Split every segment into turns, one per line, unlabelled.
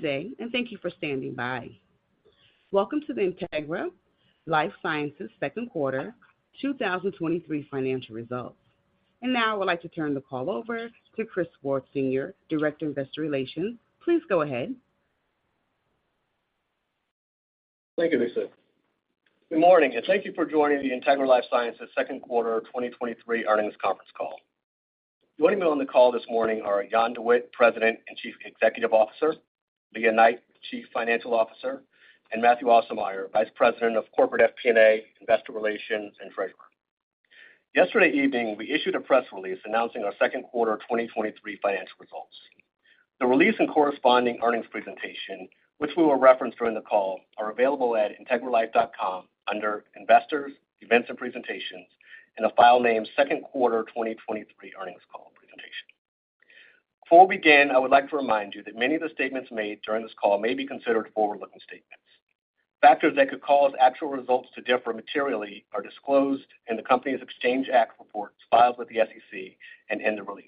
Good day, and thank you for standing by. Welcome to the Integra LifeSciences Second Quarter 2023 Financial Results. Now I would like to turn the call over to Chris Ward, Senior Director, Investor Relations. Please go ahead.
Thank you, Lisa. Good morning. Thank you for joining the Integra LifeSciences second quarter 2023 earnings conference call. Joining me on the call this morning are Jan de Wit, President and Chief Executive Officer; Lea Knight, Chief Financial Officer, and Mathieu Aussermeier, Vice President of Corporate FP&A, Investor Relations, and Treasurer. Yesterday evening, we issued a press release announcing our second quarter 2023 financial results. The release and corresponding earnings presentation, which we will reference during the call, are available at integralife.com under Investors, Events and Presentations, in a file named Second Quarter 2023 Earnings Call Presentation. Before we begin, I would like to remind you that many of the statements made during this call may be considered forward-looking statements. Factors that could cause actual results to differ materially are disclosed in the company's Exchange Act reports filed with the SEC and in the release.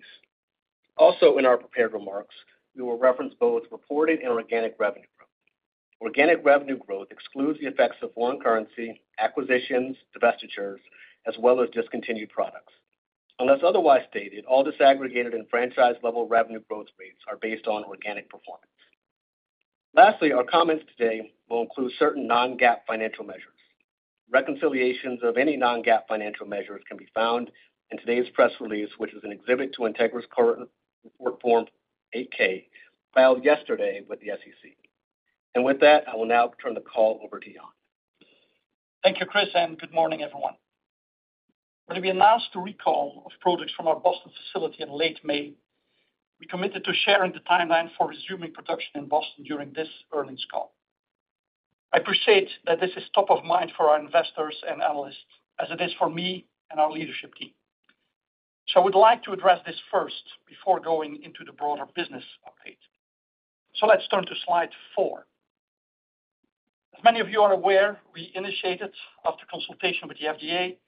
Also, in our prepared remarks, we will reference both reported and organic revenue growth. Organic revenue growth excludes the effects of foreign currency, acquisitions, divestitures, as well as discontinued products. Unless otherwise stated, all disaggregated and franchise-level revenue growth rates are based on organic performance. Lastly, our comments today will include certain non-GAAP financial measures. Reconciliations of any non-GAAP financial measures can be found in today's press release, which is an exhibit to Integra's current report Form 8-K, filed yesterday with the SEC. With that, I will now turn the call over to Jan.
Thank you, Chris, and good morning, everyone. When we announced a recall of products from our Boston facility in late May, we committed to sharing the timeline for resuming production in Boston during this earnings call. I appreciate that this is top of mind for our investors and analysts, as it is for me and our leadership team. I would like to address this first before going into the broader business update. Let's turn to slide 4. As many of you are aware, we initiated, after consultation with the FDA,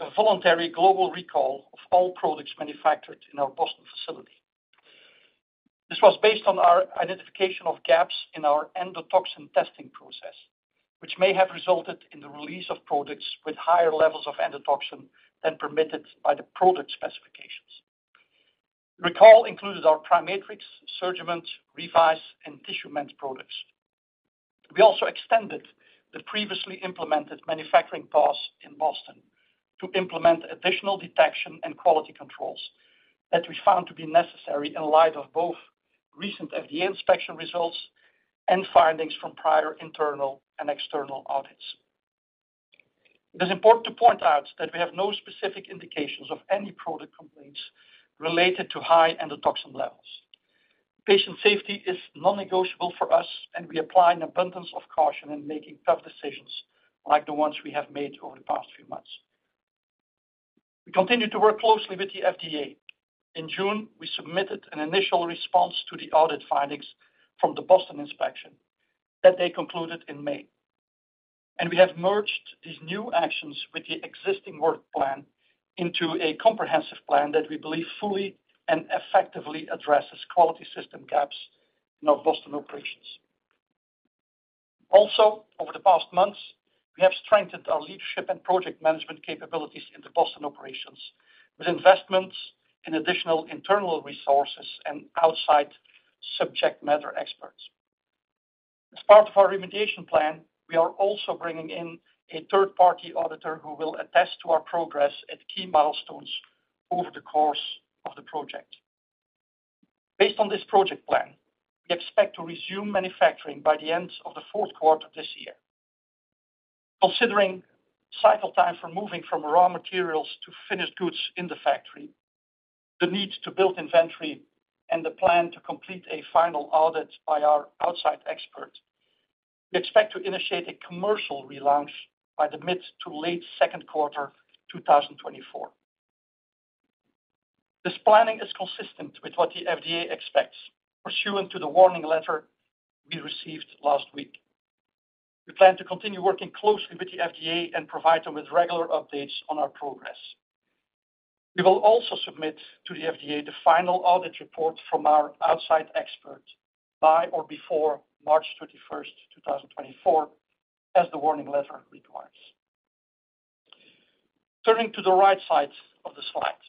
a voluntary global recall of all products manufactured in our Boston facility. This was based on our identification of gaps in our endotoxin testing process, which may have resulted in the release of products with higher levels of endotoxin than permitted by the product specifications. The recall included our PriMatrix, SurgiMend, Revize, and TissueMend products. We also extended the previously implemented manufacturing pause in Boston to implement additional detection and quality controls that we found to be necessary in light of both recent FDA inspection results and findings from prior internal and external audits. It is important to point out that we have no specific indications of any product complaints related to high endotoxin levels. Patient safety is non-negotiable for us, and we apply an abundance of caution in making tough decisions like the ones we have made over the past few months. We continue to work closely with the FDA. In June, we submitted an initial response to the audit findings from the Boston inspection that they concluded in May, and we have merged these new actions with the existing work plan into a comprehensive plan that we believe fully and effectively addresses quality system gaps in our Boston operations. Over the past months, we have strengthened our leadership and project management capabilities in the Boston operations with investments in additional internal resources and outside subject matter experts. As part of our remediation plan, we are also bringing in a third-party auditor who will attest to our progress at key milestones over the course of the project. Based on this project plan, we expect to resume manufacturing by the end of the fourth quarter this year. Considering cycle time for moving from raw materials to finished goods in the factory, the need to build inventory, and the plan to complete a final audit by our outside expert, we expect to initiate a commercial relaunch by the mid to late second quarter 2024. This planning is consistent with what the FDA expects pursuant to the warning letter we received last week. We plan to continue working closely with the FDA and provide them with regular updates on our progress. We will also submit to the FDA the final audit report from our outside expert by or before March 31st, 2024, as the warning letter requires. Turning to the right side of the slide,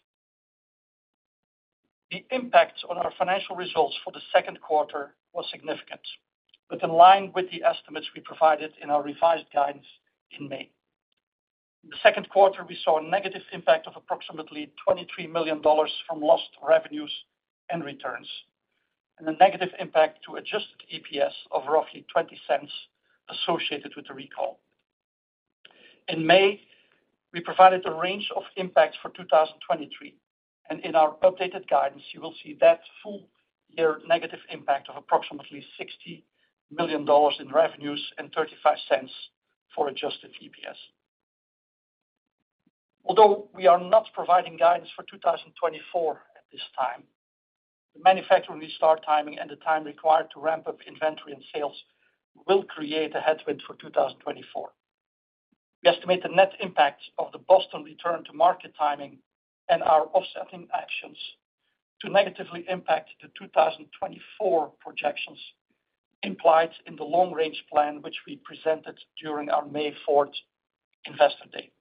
the impact on our financial results for the second quarter was significant, but in line with the estimates we provided in our revised guidance in May. In the second quarter, we saw a negative impact of approximately $23 million from lost revenues and returns, and a negative impact to adjusted EPS of roughly $0.20 associated with the recall. In May, we provided a range of impacts for 2023, and in our updated guidance, you will see that full-year negative impact of approximately $60 million in revenues and $0.35 for adjusted EPS. Although we are not providing guidance for 2024 at this time, the manufacturing restart timing and the time required to ramp up inventory and sales will create a headwind for 2024. We estimate the net impact of the Boston return to market timing and our offsetting actions to negatively impact the 2024 projections implied in the long-range plan, which we presented during our May 4 Investor Day.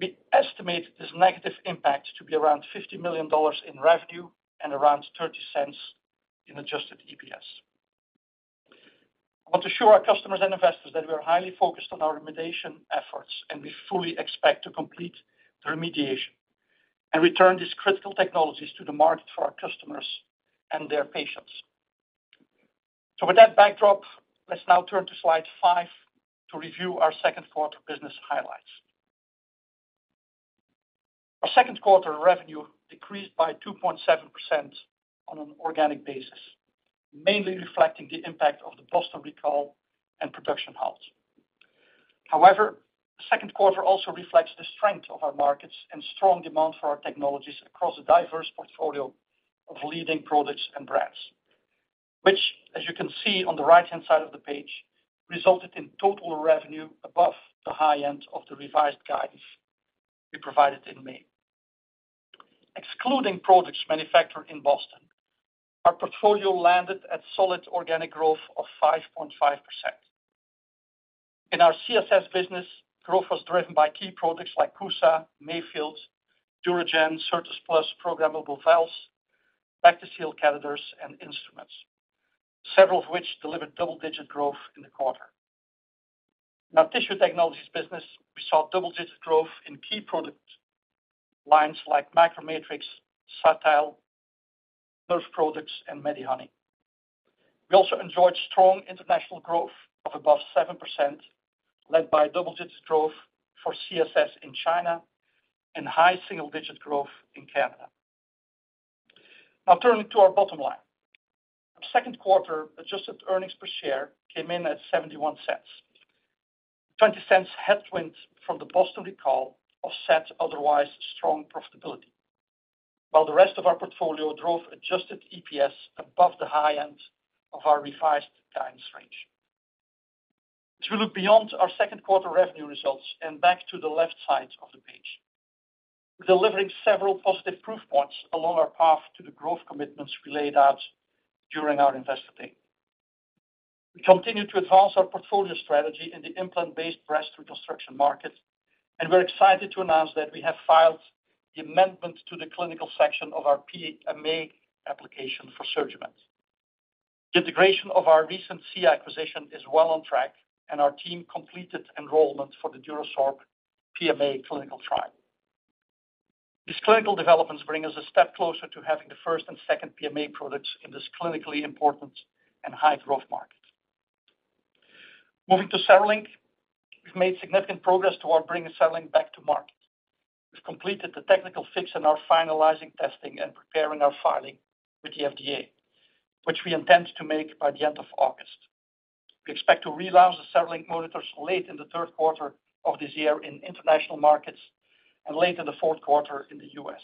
We estimate this negative impact to be around $50 million in revenue and around $0.30 in adjusted EPS. I want to assure our customers and investors that we are highly focused on our remediation efforts, and we fully expect to complete the remediation and return these critical technologies to the market for our customers and their patients. With that backdrop, let's now turn to slide 5 to review our second quarter business highlights. Our second quarter revenue decreased by 2.7% on an organic basis, mainly reflecting the impact of the Boston recall and production halt. However, second quarter also reflects the strength of our markets and strong demand for our technologies across a diverse portfolio of leading products and brands, which, as you can see on the right-hand side of the page, resulted in total revenue above the high end of the revised guidance we provided in May. Excluding products manufactured in Boston, our portfolio landed at solid organic growth of 5.5%. In our CSS business, growth was driven by key products like CUSA, Mayfield, DuraGen, Certas Plus, programmable valves, Bactiseal catheters, and instruments, several of which delivered double-digit growth in the quarter. In our tissue technologies business, we saw double-digit growth in key product lines like MicroMatrix, Cytal, Nerve products, and MediHoney. We also enjoyed strong international growth of above 7%, led by double-digit growth for CSS in China and high single-digit growth in Canada. Now turning to our bottom line. Second quarter adjusted earnings per share came in at $0.71, $0.20 headwind from the Boston recall offset otherwise strong profitability, while the rest of our portfolio drove adjusted EPS above the high end of our revised guidance range. To look beyond our second quarter revenue results and back to the left side of the page, delivering several positive proof points along our path to the growth commitments we laid out during our Investor Day. We continue to advance our portfolio strategy in the implant-based breast reconstruction market. We're excited to announce that we have filed the amendment to the clinical section of our PMA application for SurgiMend. The integration of our recent SIA acquisition is well on track. Our team completed enrollment for the DuraSorb PMA clinical trial. These clinical developments bring us a step closer to having the first and second PMA products in this clinically important and high-growth market. Moving to CereLink, we've made significant progress toward bringing CereLink back to market. We've completed the technical fix and are finalizing testing and preparing our filing with the FDA, which we intend to make by the end of August. We expect to relaunch the CereLink monitors late in the third quarter of this year in international markets and late in the fourth quarter in the US.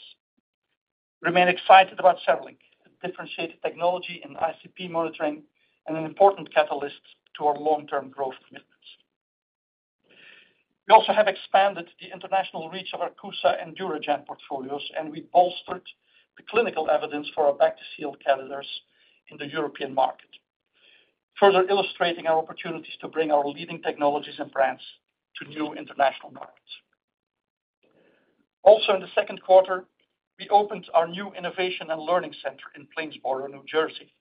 We remain excited about CereLink, a differentiated technology in ICP monitoring and an important catalyst to our long-term growth commitments. We also have expanded the international reach of our CUSA and DuraGen portfolios, and we bolstered the clinical evidence for our Bactiseal catheters in the European market, further illustrating our opportunities to bring our leading technologies and brands to new international markets. In the second quarter, we opened our new innovation and learning center in Plainsboro, New Jersey,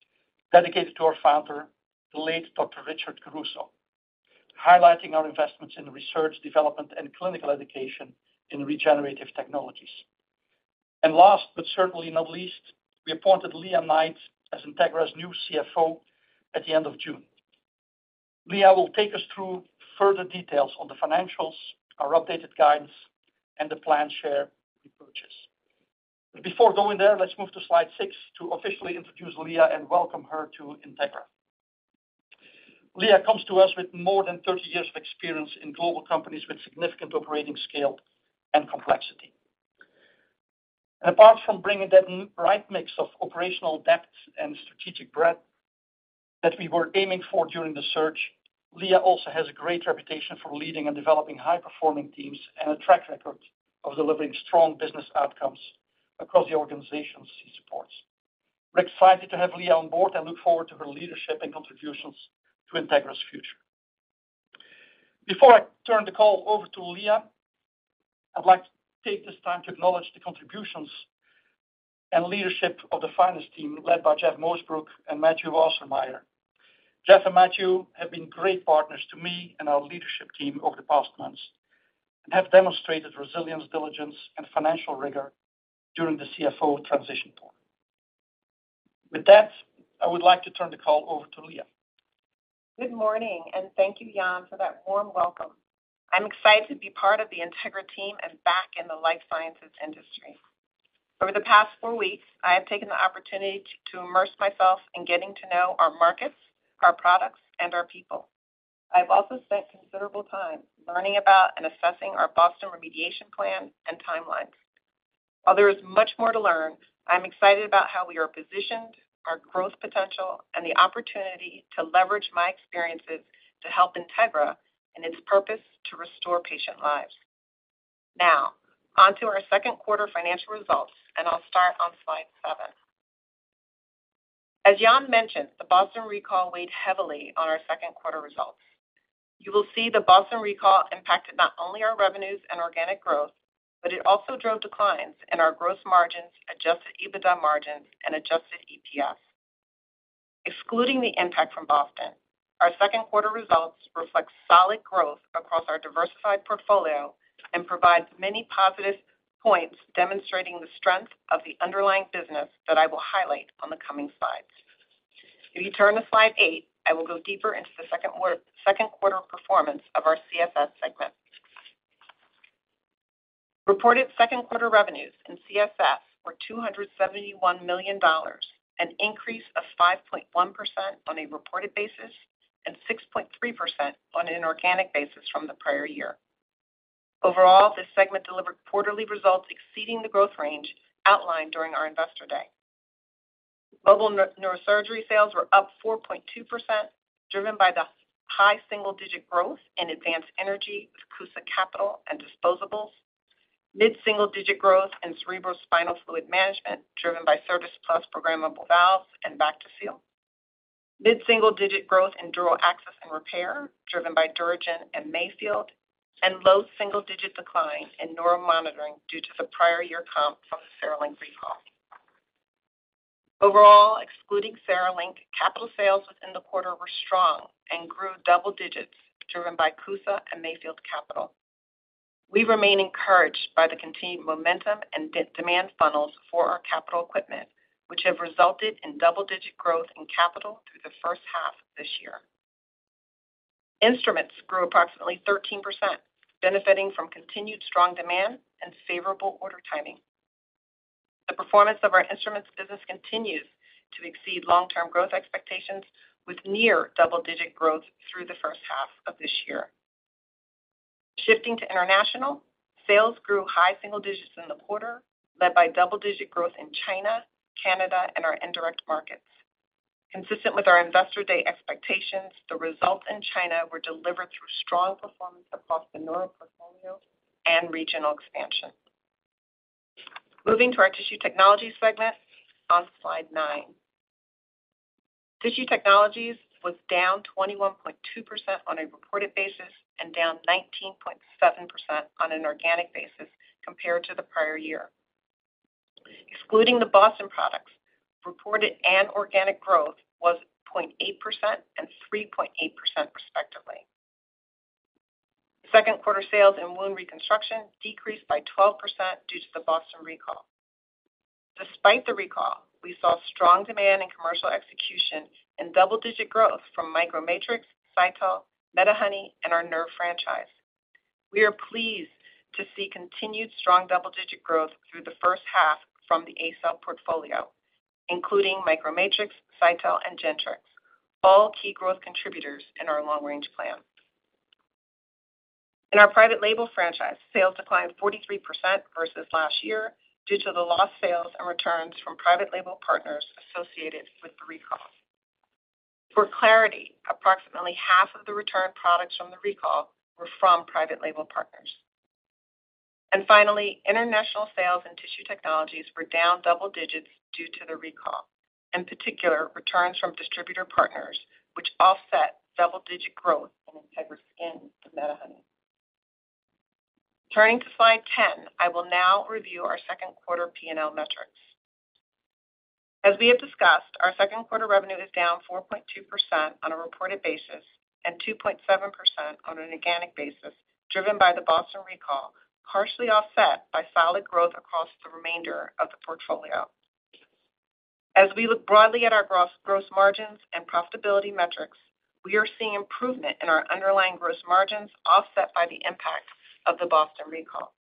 dedicated to our founder, the late Dr. Richard Caruso, highlighting our investments in research, development, and clinical education in regenerative technologies. Last, but certainly not least, we appointed Lea Knight as Integra's new CFO at the end of June. Lea will take us through further details on the financials, our updated guidance, and the planned share repurchase. Before going there, let's move to slide 6 to officially introduce Lea and welcome her to Integra. Lea comes to us with more than 30 years of experience in global companies with significant operating scale and complexity. Apart from bringing that right mix of operational depth and strategic breadth that we were aiming for during the search, Lea also has a great reputation for leading and developing high-performing teams and a track record of delivering strong business outcomes across the organizations she supports. We're excited to have Lea on board and look forward to her leadership and contributions to Integra's future. Before I turn the call over to Lea, I'd like to take this time to acknowledge the contributions and leadership of the finance team, led by Jeff Moosbrook and Matthew Assermeyer. Jeff and Matthew have been great partners to me and our leadership team over the past months and have demonstrated resilience, diligence, and financial rigor during the CFO transition period. With that, I would like to turn the call over to Lea.
Good morning, and thank you, Jan, for that warm welcome. I'm excited to be part of the Integra team and back in the life sciences industry. Over the past four weeks, I have taken the opportunity to immerse myself in getting to know our markets, our products, and our people. I've also spent considerable time learning about and assessing our Boston remediation plan and timelines. While there is much more to learn, I'm excited about how we are positioned, our growth potential, and the opportunity to leverage my experiences to help Integra and its purpose to restore patient lives. Now, on to our second quarter financial results, and I'll start on slide 7. As Jan mentioned, the Boston recall weighed heavily on our second quarter results. You will see the Boston recall impacted not only our revenues and organic growth, it also drove declines in our gross margins, adjusted EBITDA margins, and adjusted EPS. Excluding the impact from Boston, our second quarter results reflect solid growth across our diversified portfolio and provides many positive points, demonstrating the strength of the underlying business that I will highlight on the coming slides. You turn to slide 8, I will go deeper into the second quarter performance of our CSS segment. Reported second quarter revenues in CSS were $271 million, an increase of 5.1% on a reported basis and 6.3% on an organic basis from the prior year. Overall, this segment delivered quarterly results exceeding the growth range outlined during our Investor Day. Mobile neurosurgery sales were up 4.2%, driven by the high single-digit growth in advanced energy with CUSA Capital and disposables. Mid-single-digit growth in cerebrospinal fluid management, driven by Certas Plus programmable valves and Bactiseal. Mid-single-digit growth in dural access and repair, driven by DuraGen and Mayfield, and low double-digit decline in neural monitoring due to the prior year comp from the CereLink recall. Overall, excluding CereLink, capital sales within the quarter were strong and grew double digits, driven by CUSA and Mayfield Capital. We remain encouraged by the continued momentum and demand funnels for our capital equipment, which have resulted in double-digit growth in capital through the first half of this year. Instruments grew approximately 13%, benefiting from continued strong demand and favorable order timing. The performance of our instruments business continues to exceed long-term growth expectations, with near double-digit growth through the first half of this year. Shifting to international, sales grew high single digits in the quarter, led by double-digit growth in China, Canada, and our indirect markets. Consistent with our Investor Day expectations, the results in China were delivered through strong performance across the neuro portfolio and regional expansion. Moving to our Tissue Technologies segment on slide 9. Tissue Technologies was down 21.2% on a reported basis and down 19.7% on an organic basis compared to the prior year. Excluding the Boston products, reported and organic growth was 0.8% and 3.8% respectively. Second quarter sales in wound reconstruction decreased by 12% due to the Boston recall. Despite the recall, we saw strong demand in commercial execution and double-digit growth from MicroMatrix, Cytal, MediHoney, and our Nerve franchise. We are pleased to see continued strong double-digit growth through the first half from the ACell portfolio, including MicroMatrix, Cytal, and Gentrix, all key growth contributors in our long-range plan. In our private label franchise, sales declined 43% versus last year due to the lost sales and returns from private label partners associated with the recall. For clarity, approximately half of the returned products from the recall were from private label partners. Finally, international sales and tissue technologies were down double digits due to the recall. In particular, returns from distributor partners, which offset double-digit growth in Integra Skin and MediHoney. Turning to slide 10, I will now review our second quarter P&L metrics. As we have discussed, our second quarter revenue is down 4.2% on a reported basis and 2.7% on an organic basis, driven by the Boston recall, partially offset by solid growth across the remainder of the portfolio. As we look broadly at our gross margins and profitability metrics, we are seeing improvement in our underlying gross margins, offset by the impact of the Boston recall.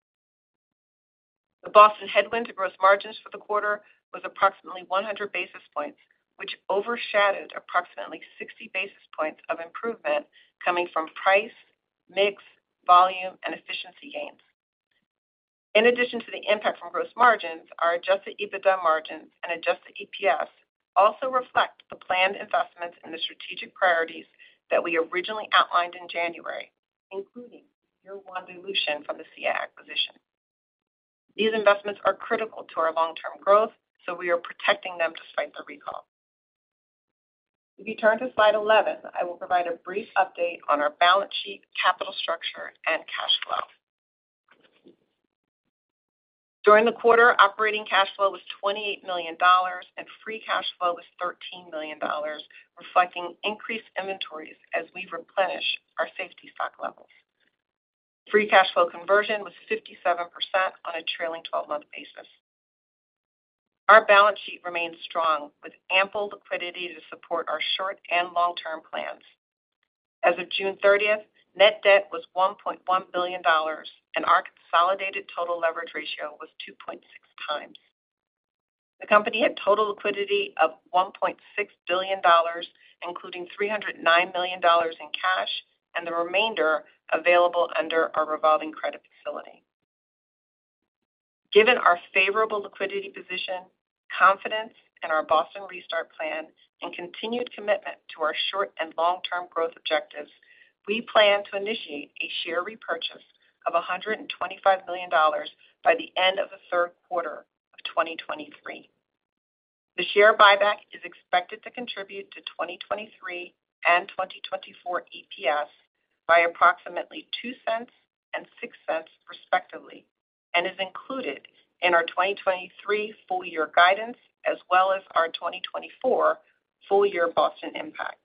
The Boston headwind to gross margins for the quarter was approximately 100 basis points, which overshadowed approximately 60 basis points of improvement coming from price, mix, volume, and efficiency gains. In addition to the impact from gross margins, our adjusted EBITDA margins and adjusted EPS also reflect the planned investments in the strategic priorities that we originally outlined in January, including year one dilution from the Sia acquisition. These investments are critical to our long-term growth, so we are protecting them despite the recall. If you turn to slide 11, I will provide a brief update on our balance sheet, capital structure, and cash flow. During the quarter, operating cash flow was $28 million, and free cash flow was $13 million, reflecting increased inventories as we replenish our safety stock levels. Free cash flow conversion was 57% on a trailing 12-month basis. Our balance sheet remains strong, with ample liquidity to support our short and long-term plans. As of June 30th, net debt was $1.1 billion, and our consolidated total leverage ratio was 2.6 times. The company had total liquidity of $1.6 billion, including $309 million in cash and the remainder available under our revolving credit facility. Given our favorable liquidity position, confidence in our Boston restart plan, and continued commitment to our short and long-term growth objectives, we plan to initiate a share repurchase of $125 million by the end of the third quarter of 2023. The share buyback is expected to contribute to 2023 and 2024 EPS by approximately $0.02 and $0.06, respectively, and is included in our 2023 full-year guidance, as well as our 2024 full-year Boston impact.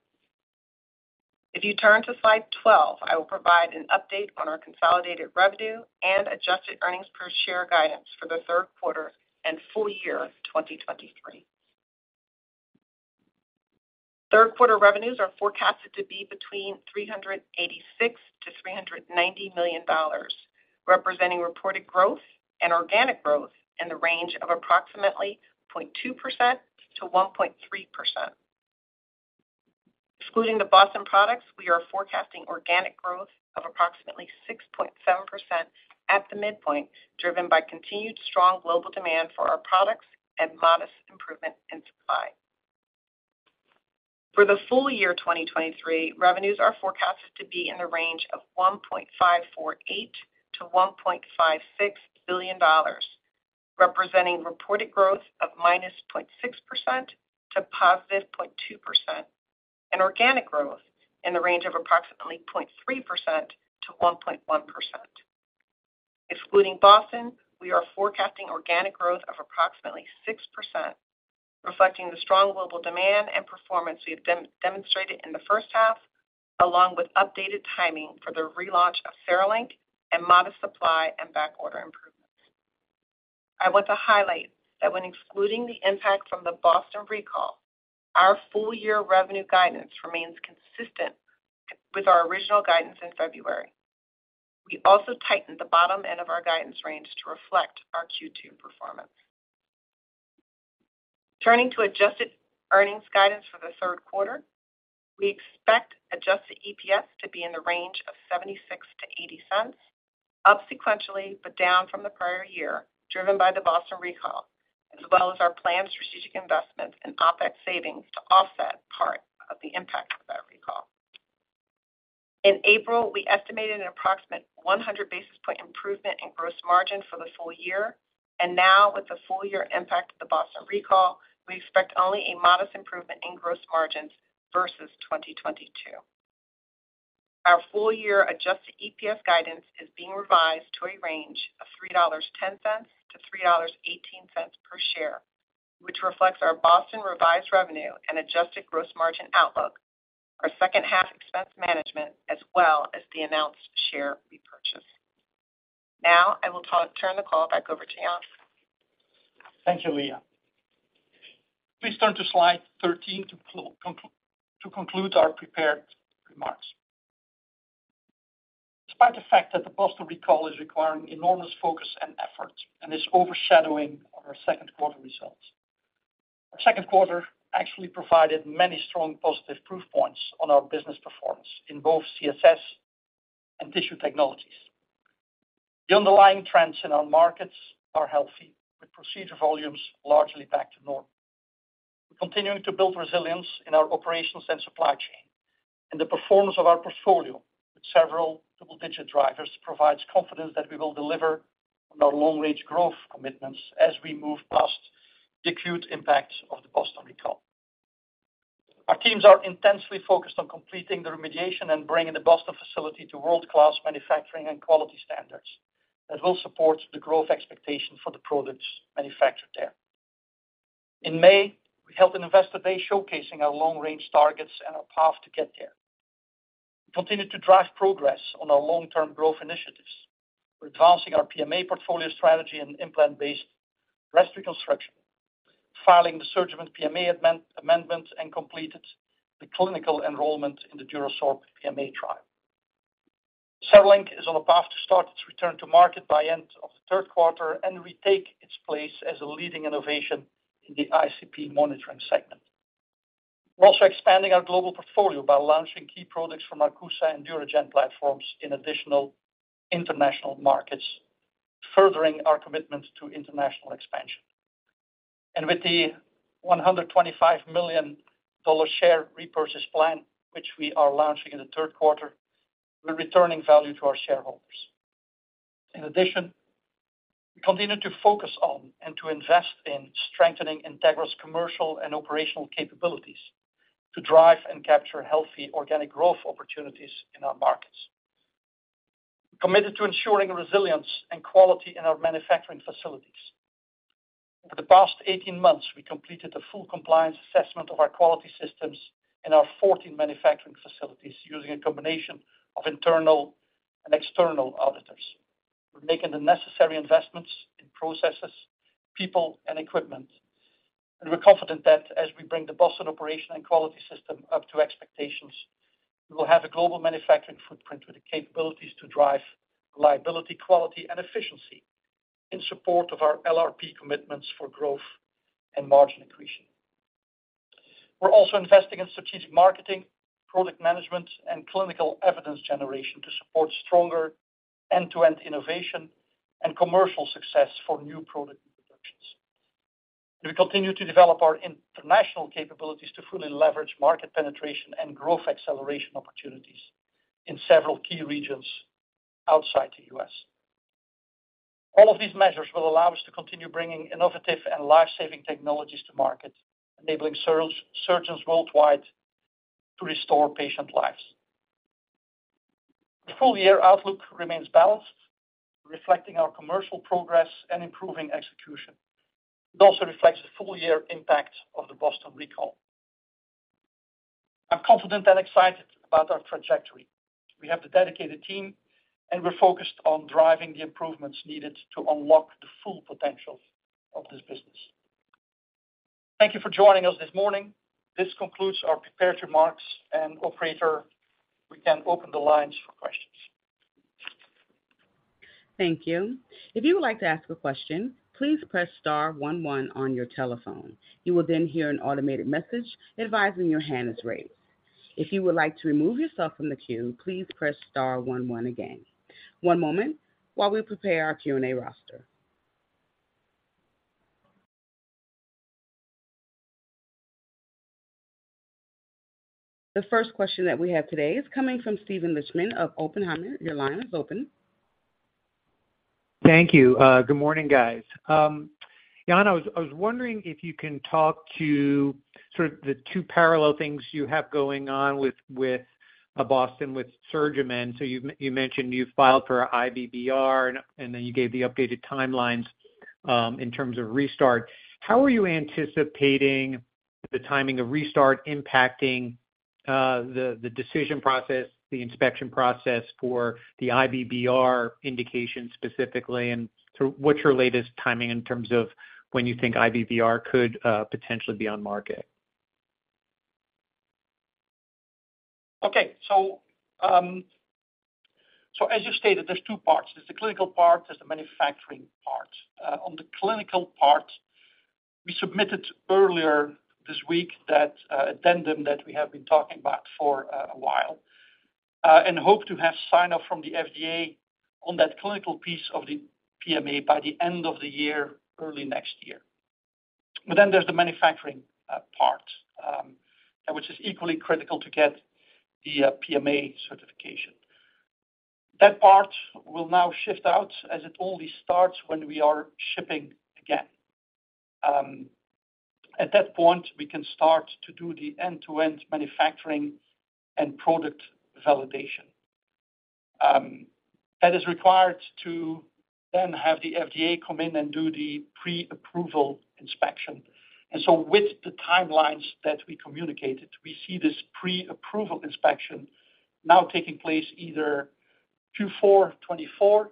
If you turn to slide 12, I will provide an update on our consolidated revenue and adjusted earnings per share guidance for the third quarter and full year 2023. Third quarter revenues are forecasted to be between $386 million-$390 million, representing reported growth and organic growth in the range of approximately 0.2%-1.3%. Excluding the Boston products, we are forecasting organic growth of approximately 6.7% at the midpoint, driven by continued strong global demand for our products and modest improvement in supply. For the full year 2023, revenues are forecasted to be in the range of $1.548 billion-$1.56 billion, representing reported growth of -0.6% to +0.2%, and organic growth in the range of approximately 0.3%-1.1%. Excluding Boston, we are forecasting organic growth of approximately 6%, reflecting the strong global demand and performance we have demonstrated in the first half, along with updated timing for the relaunch of CereLink and modest supply and back order improvements. I want to highlight that when excluding the impact from the Boston recall, our full-year revenue guidance remains consistent with our original guidance in February. We also tightened the bottom end of our guidance range to reflect our Q2 performance. Turning to adjusted earnings guidance for the third quarter, we expect adjusted EPS to be in the range of $0.76-$0.80, up sequentially, but down from the prior year, driven by the Boston recall, as well as our planned strategic investments and OpEx savings to offset part of the impact of that recall. In April, we estimated an approximate 100 basis point improvement in gross margin for the full year. Now with the full year impact of the Boston recall, we expect only a modest improvement in gross margins versus 2022. Our full-year adjusted EPS guidance is being revised to a range of $3.10-$3.18 per share, which reflects our Boston revised revenue and adjusted gross margin outlook, our second half expense management, as well as the announced share repurchase. I will turn the call back over to Jan de Wit.
Thank you, Lea. Please turn to slide 13 to conclude our prepared remarks. Despite the fact that the Boston recall is requiring enormous focus and effort and is overshadowing our second quarter results, our second quarter actually provided many strong positive proof points on our business performance in both CSS and tissue technologies. The underlying trends in our markets are healthy, with procedure volumes largely back to normal. We're continuing to build resilience in our operations and supply chain, and the performance of our portfolio, with several double-digit drivers, provides confidence that we will deliver on our long-range growth commitments as we move past the acute impacts of the Boston recall. Our teams are intensely focused on completing the remediation and bringing the Boston facility to world-class manufacturing and quality standards that will support the growth expectation for the products manufactured there. In May, we held an Investor Day showcasing our long-range targets and our path to get there. We continued to drive progress on our long-term growth initiatives. We're advancing our PMA portfolio strategy and implant-based breast reconstruction, filing the SurgiMend PMA amendment, and completed the clinical enrollment in the DuraSorb PMA trial. CereLink is on a path to start its return to market by end of the third quarter and retake its place as a leading innovation in the ICP monitoring segment. We're also expanding our global portfolio by launching key products from our CUSA and DuraGen platforms in additional international markets, furthering our commitment to international expansion. With the $125 million share repurchase plan, which we are launching in the third quarter, we're returning value to our shareholders. In addition, we continue to focus on and to invest in strengthening Integra's commercial and operational capabilities to drive and capture healthy organic growth opportunities in our markets. We're committed to ensuring resilience and quality in our manufacturing facilities. Over the past 18 months, we completed a full compliance assessment of our quality systems in our 14 manufacturing facilities using a combination of internal and external auditors. We're making the necessary investments in processes, people, and equipment, and we're confident that as we bring the Boston operation and quality system up to expectations. We will have a global manufacturing footprint with the capabilities to drive reliability, quality, and efficiency in support of our LRP commitments for growth and margin accretion. We're also investing in strategic marketing, product management, and clinical evidence generation to support stronger end-to-end innovation and commercial success for new product introductions. We continue to develop our international capabilities to fully leverage market penetration and growth acceleration opportunities in several key regions outside the US. All of these measures will allow us to continue bringing innovative and life-saving technologies to market, enabling surgeons worldwide to restore patient lives. The full-year outlook remains balanced, reflecting our commercial progress and improving execution. It also reflects the full-year impact of the Boston recall. I'm confident and excited about our trajectory. We have the dedicated team, and we're focused on driving the improvements needed to unlock the full potential of this business. Thank you for joining us this morning. This concludes our prepared remarks, and operator, we can open the lines for questions.
Thank you. If you would like to ask a question, please press star one one on your telephone. You will hear an automated message advising your hand is raised. If you would like to remove yourself from the queue, please press star one one again. One moment while we prepare our Q&A roster. The first question that we have today is coming from Steven Lichtman of Oppenheimer. Your line is open.
Thank you. Good morning, guys. Jan, I was wondering if you can talk to sort of the two parallel things you have going on with Boston, with SurgiMend. You mentioned you filed for IBBR, and then you gave the updated timelines in terms of restart. How are you anticipating the timing of restart impacting the decision process, the inspection process for the IBBR indication specifically? What's your latest timing in terms of when you think IBBR could potentially be on market?
As you stated, there's 2 parts. There's the clinical part, there's the manufacturing part. On the clinical part, we submitted earlier this week that addendum that we have been talking about for a while, hope to have sign-off from the FDA on that clinical piece of the PMA by the end of the year, early next year. There's the manufacturing part, which is equally critical to get the PMA certification. That part will now shift out as it only starts when we are shipping again. At that point, we can start to do the end-to-end manufacturing and product validation. That is required to have the FDA come in and do the pre-approval inspection. With the timelines that we communicated, we see this pre-approval inspection now taking place either Q4 2024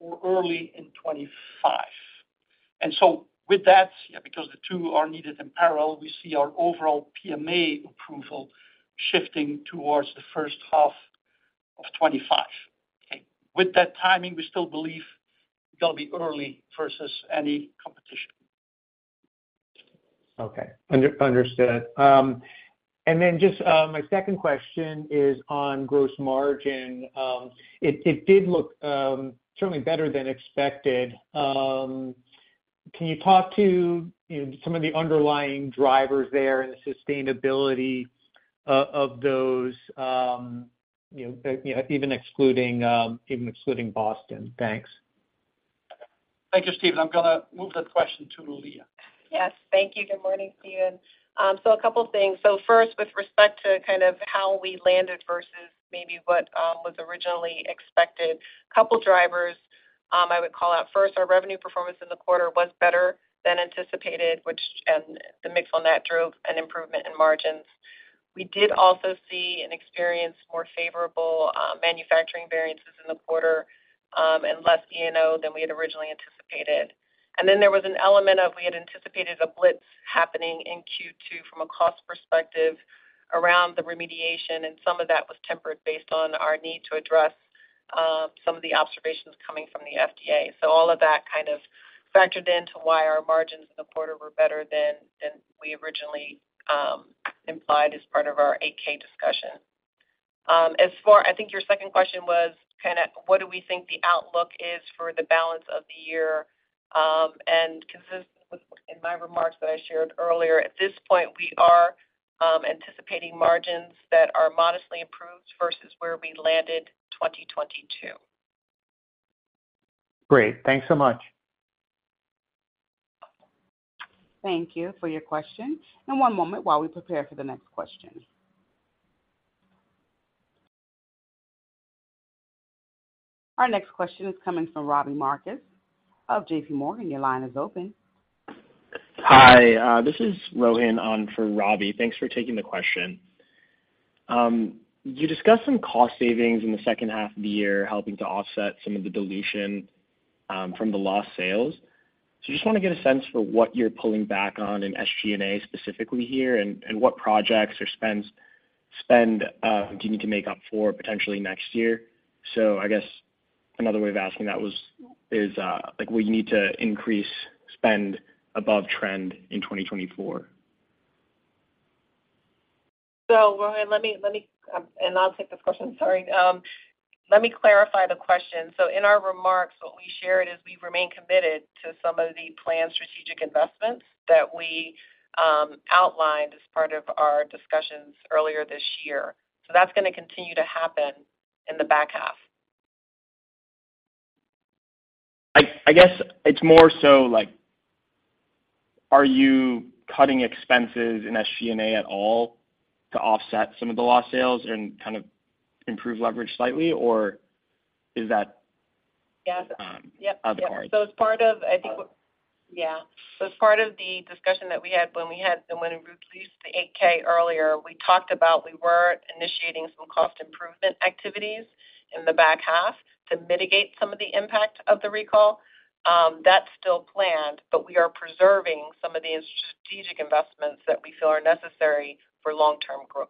or early in 2025. With that, yeah, because the two are needed in parallel, we see our overall PMA approval shifting towards the first half of 2025. With that timing, we still believe we're gonna be early versus any competition.
Okay, understood. Just my second question is on gross margin. It did look certainly better than expected. Can you talk to, you know, some of the underlying drivers there and the sustainability of those, you know, you know, even excluding even excluding Boston? Thanks.
Thank you, Steven. I'm gonna move that question to Lea.
Yes, thank you. Good morning, Steven. A couple things. First, with respect to kind of how we landed versus maybe what was originally expected, couple drivers I would call out. First, our revenue performance in the quarter was better than anticipated, and the mix on that drove an improvement in margins. We did also see and experience more favorable manufacturing variances in the quarter, and less ENO than we had originally anticipated. There was an element of we had anticipated a blitz happening in Q2 from a cost perspective around the remediation, and some of that was tempered based on our need to address some of the observations coming from the FDA. All of that kind of factored into why our margins in the quarter were better than we originally implied as part of our 8-K discussion. I think your second question was kinda what do we think the outlook is for the balance of the year? Consistent with in my remarks that I shared earlier, at this point, we are anticipating margins that are modestly improved versus where we landed in 2022.
Great. Thanks so much.
Thank you for your question, and one moment while we prepare for the next question. Our next question is coming from Robbie Marcus of JP Morgan. Your line is open.
Hi, this is Rohan on for Robbie. Thanks for taking the question. You discussed some cost savings in the second half of the year, helping to offset some of the dilution from the lost sales. Just want to get a sense for what you're pulling back on in SG&A specifically here, and what projects or spend do you need to make up for potentially next year? I guess another way of asking that is, like, will you need to increase spend above trend in 2024?
Let me, and I'll take this question. Sorry. Let me clarify the question. In our remarks, what we shared is we remain committed to some of the planned strategic investments that we outlined as part of our discussions earlier this year. That's going to continue to happen in the back half.
I guess it's more so, are you cutting expenses in SG&A at all to offset some of the lost sales and kind of improve leverage slightly?
Yeah.
Other parts.
As part of, I think, what. Yeah. As part of the discussion that we had when we released the 8-K earlier, we talked about we were initiating some cost improvement activities in the back half to mitigate some of the impact of the recall. That's still planned, but we are preserving some of the strategic investments that we feel are necessary for long-term growth.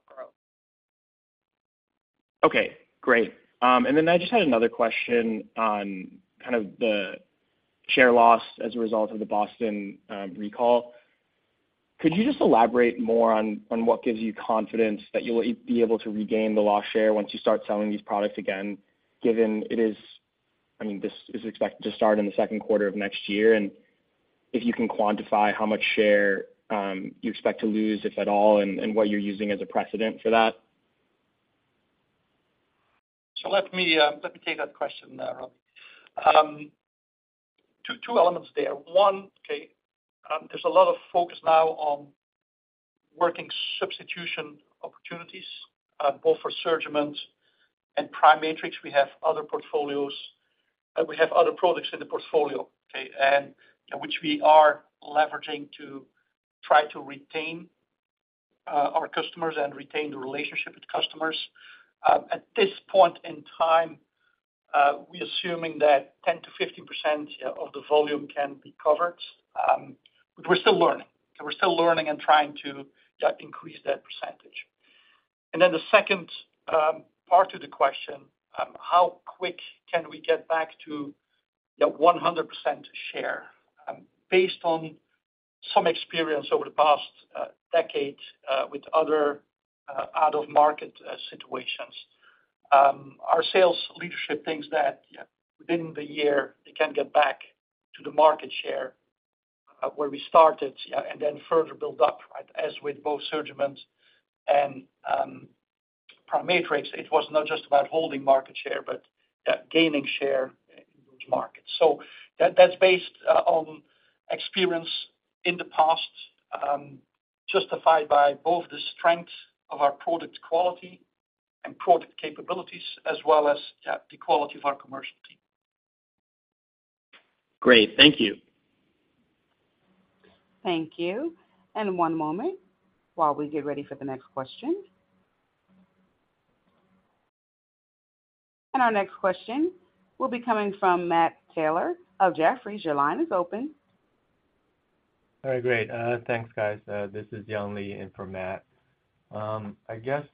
Okay, great. I just had another question on kind of the share loss as a result of the Boston recall. Could you just elaborate more on what gives you confidence that you'll be able to regain the lost share once you start selling these products again, given it is, this is expected to start in the second quarter of next year, and if you can quantify how much share you expect to lose, if at all, and what you're using as a precedent for that?
Let me, let me take that question, Robbie. Two elements there. One, okay, there's a lot of focus now on working substitution opportunities, both for SurgiMend and PriMatrix. We have other products in the portfolio, okay, and which we are leveraging to try to retain our customers and retain the relationship with customers. At this point in time, we're assuming that 10%-15% of the volume can be covered. We're still learning and trying to, yeah, increase that percentage. The second part of the question, how quick can we get back to the 100% share? Based on some experience over the past decade, with other out of market situations. Our sales leadership thinks that within the year, they can get back to the market share of where we started, and then further build up. As with both SurgiMend and PriMatrix, it was not just about holding market share, but gaining share in those markets. That's based on experience in the past, justified by both the strength of our product quality and product capabilities, as well as the quality of our commercial team.
Great. Thank you.
Thank you. One moment while we get ready for the next question. Our next question will be coming from Matthew Taylor of Jefferies. Your line is open.
All right, great. Thanks, guys. This is Young Li in for Matt. I guess,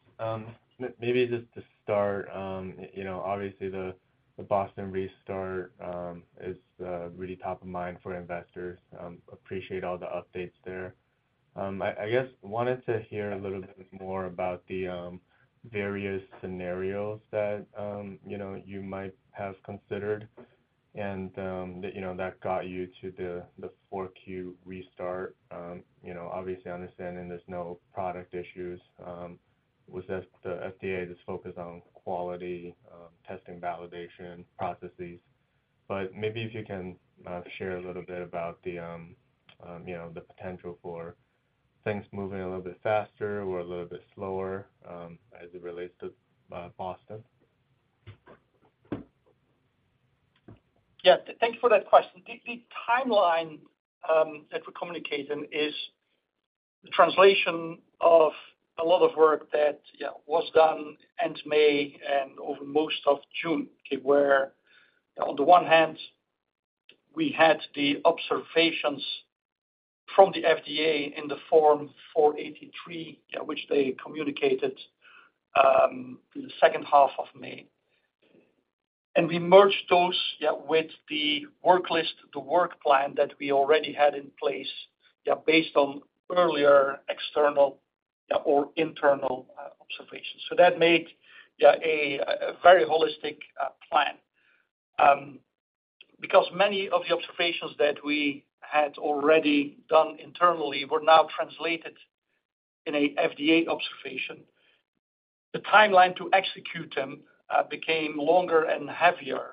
maybe just to start, you know, obviously the Boston restart is really top of mind for investors. Appreciate all the updates there. I guess wanted to hear a little bit more about the various scenarios that, you know, you might have considered and, you know, that got you to the 4Q restart. You know, obviously, understanding there's no product issues with the FDA, just focused on quality, testing, validation, processes. Maybe if you can share a little bit about the, you know, the potential for things moving a little bit faster or a little bit slower as it relates to Boston.
Yeah. Thank you for that question. The timeline that we're communicating is the translation of a lot of work that, yeah, was done end May and over most of June, okay, where on the one hand, we had the observations from the FDA in the Form 483, which they communicated in the second half of May. We merged those, yeah, with the work list, the work plan that we already had in place, yeah, based on earlier external or internal observations. That made, yeah, a very holistic plan. Because many of the observations that we had already done internally were now translated in a FDA observation. The timeline to execute them became longer and heavier,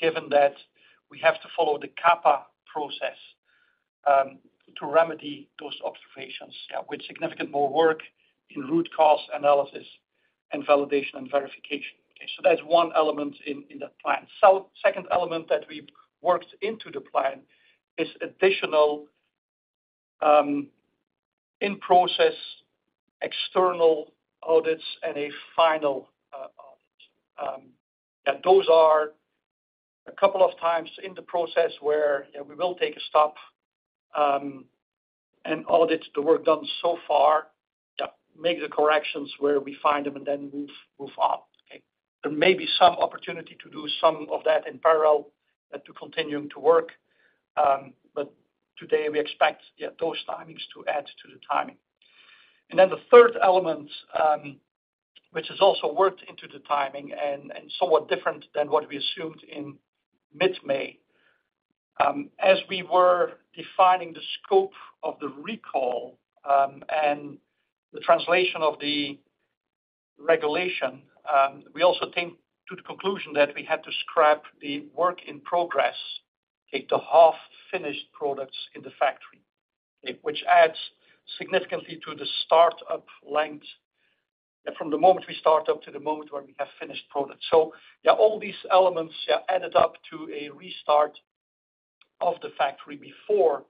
given that we have to follow the CAPA process to remedy those observations, yeah, with significant more work in root cause analysis and validation and verification. That's one element in that plan. Second element that we worked into the plan is in process, external audits and a final audit. Those are a couple of times in the process where, yeah, we will take a stop and audit the work done so far, yeah, make the corrections where we find them, and then move on. Okay. There may be some opportunity to do some of that in parallel and to continuing to work, but today we expect, yeah, those timings to add to the timing. The third element, which is also worked into the timing and somewhat different than what we assumed in mid-May. As we were defining the scope of the recall, and the translation of the regulation, we also came to the conclusion that we had to scrap the work in progress, take the half-finished products in the factory, which adds significantly to the start-up length, from the moment we start up to the moment where we have finished products. All these elements added up to a restart of the factory before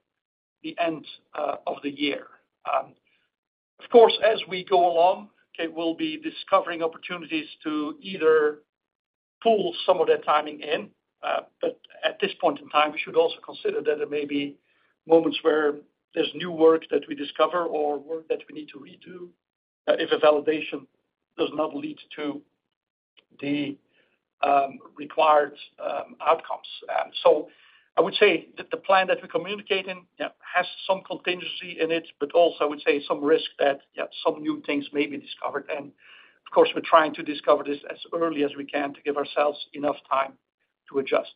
the end of the year. Of course, as we go along, we'll be discovering opportunities to either pull some of that timing in. At this point in time, we should also consider that there may be moments where there's new work that we discover or work that we need to redo, if a validation does not lead to the required outcomes. I would say that the plan that we're communicating, yeah, has some contingency in it, but also I would say some risk that, yeah, some new things may be discovered. Of course, we're trying to discover this as early as we can to give ourselves enough time to adjust.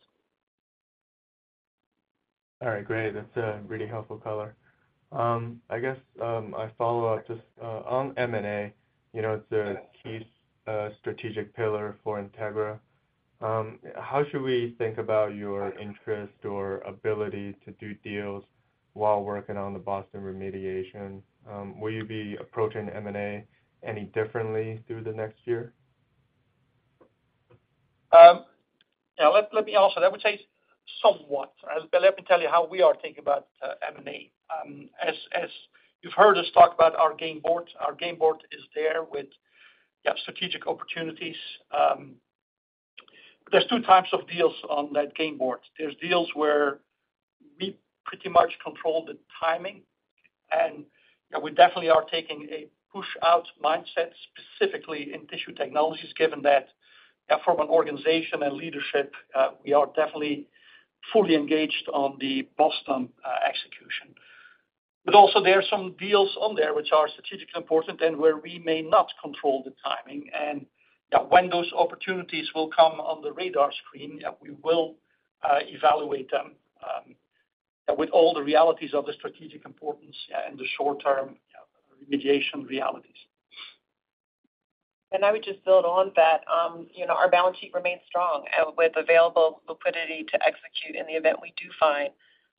All right, great. That's a really helpful color. I guess my follow-up just on M&A, you know, it's a key strategic pillar for Integra. How should we think about your interest or ability to do deals while working on the Boston remediation? Will you be approaching M&A any differently through the next year?
Yeah, let me also... I would say somewhat. Let me tell you how we are thinking about M&A. As you've heard us talk about our game board, our game board is there with strategic opportunities. There's two types of deals on that game board. There's deals where we pretty much control the timing, and we definitely are taking a push-out mindset, specifically in tissue technologies, given that from an organization and leadership, we are definitely fully engaged on the Boston execution. Also there are some deals on there which are strategically important and where we may not control the timing, and when those opportunities will come on the radar screen, we will evaluate them with all the realities of the strategic importance and the short-term remediation realities.
I would just build on that, you know, our balance sheet remains strong, with available liquidity to execute in the event we do find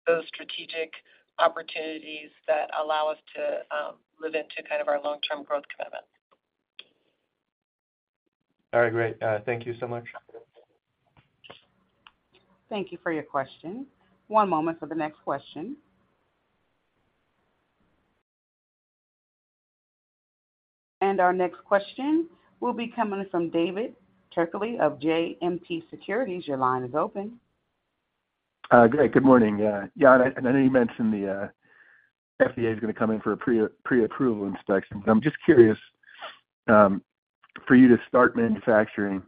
those strategic opportunities that allow us to live into kind of our long-term growth commitment.
All right, great. Thank you so much.
Thank you for your question. One moment for the next question. Our next question will be coming from David Turkaly of JMP Securities. Your line is open.
Great. Good morning. Yeah, I know you mentioned the FDA is going to come in for a pre-approval inspection. I'm just curious, for you to start manufacturing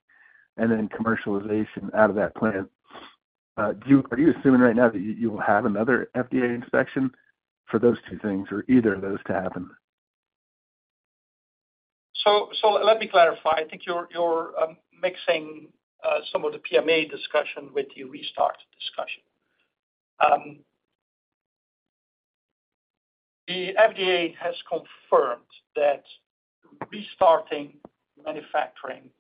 and then commercialization out of that plant, are you assuming right now that you will have another FDA inspection for those two things or either of those to happen?
Let me clarify. I think you're mixing some of the PMA discussion with the restart discussion. The FDA has confirmed that restarting manufacturing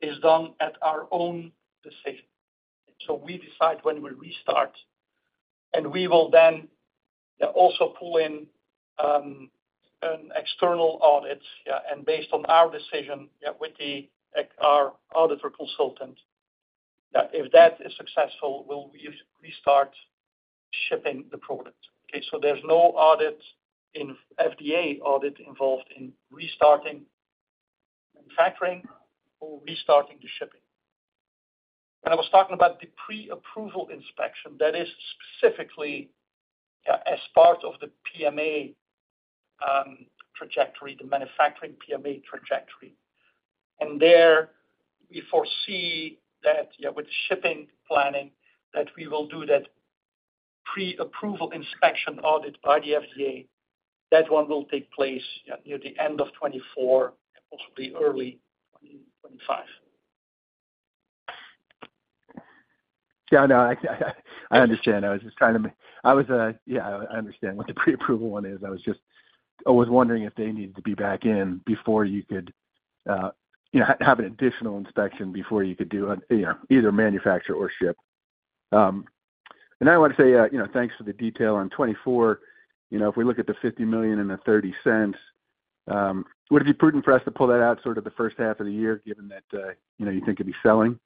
is done at our own decision. We decide when we restart, and we will then also pull in an external audit, and based on our decision with our auditor consultant, if that is successful, we'll restart shipping the product. There's no FDA audit involved in restarting manufacturing or restarting the shipping. When I was talking about the pre-approval inspection, that is specifically as part of the PMA trajectory, the manufacturing PMA trajectory. There we foresee that with shipping planning, that we will do that pre-approval inspection audit by the FDA. That one will take place near the end of 2024, possibly early 2025.
Yeah, I know. I understand. I was just trying to... I was, yeah, I understand what the pre-approval one is. I was just, I was wondering if they needed to be back in before you could, you know, have an additional inspection before you could do, yeah, either manufacture or ship. I want to say, you know, thanks for the detail on 2024. You know, if we look at the $50 million and the $0.30. Would it be prudent for us to pull that out sort of the first half of the year, given that, you know, you think it'd be selling?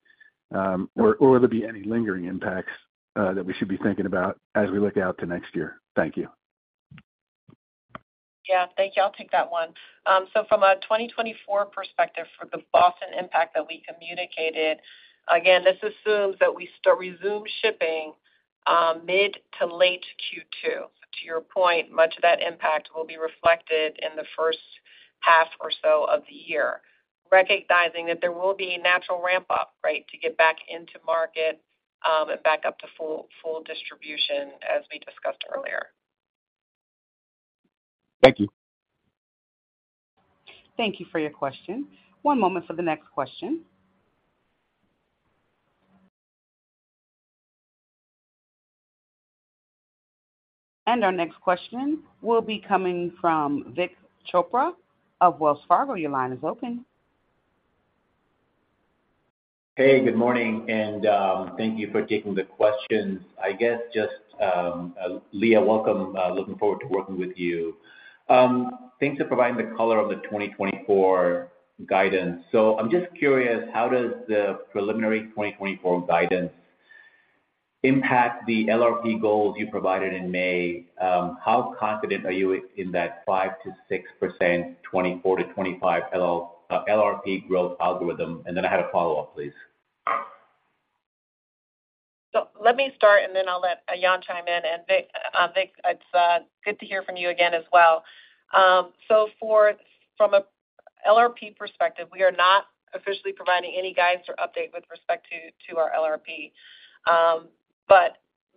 Or will there be any lingering impacts, that we should be thinking about as we look out to next year? Thank you.
Yeah. Thank you. I'll take that one. From a 2024 perspective, for the Boston impact that we communicated, again, this assumes that we resume shipping mid to late Q2. To your point, much of that impact will be reflected in the first half or so of the year, recognizing that there will be natural ramp-up, right, to get back into market and back up to full distribution, as we discussed earlier.
Thank you.
Thank you for your question. One moment for the next question. Our next question will be coming from Vik Chopra of Wells Fargo. Your line is open.
Hey, good morning, and thank you for taking the questions. I guess just Lea, welcome, looking forward to working with you. Thanks for providing the color of the 2024 guidance. I'm just curious, how does the preliminary 2024 guidance impact the LRP goals you provided in May? How confident are you in that 5%-6%, 2024-2025 LRP growth algorithm? Then I had a follow-up, please.
Let me start, and then I'll let Jan chime in. Vik, it's good to hear from you again as well. From a LRP perspective, we are not officially providing any guidance or update with respect to our LRP.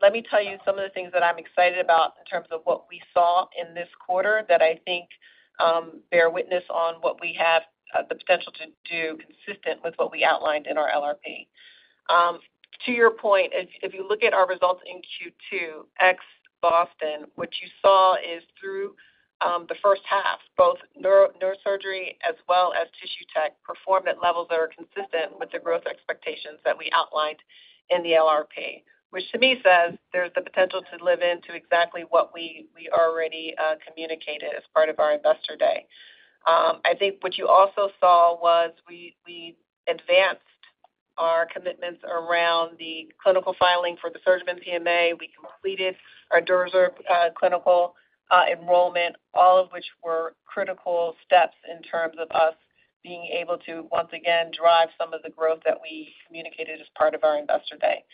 Let me tell you some of the things that I'm excited about in terms of what we saw in this quarter that I think bear witness on what we have the potential to do, consistent with what we outlined in our LRP. To your point, if you look at our results in Q2, ex Boston, what you saw is through the first half, both neurosurgery as well as tissue tech, performance levels that are consistent with the growth expectations that we outlined in the LRP, which to me says there's the potential to live into exactly what we already communicated as part of our Investor Day. I think what you also saw was we advanced our commitments around the clinical filing for the SurgiMend PMA. We completed our DuraSorb clinical enrollment, all of which were critical steps in terms of us being able to once again drive some of the growth that we communicated as part of our Investor Day.